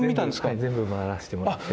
はい全部回らせてもらって。